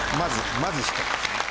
まず１つ。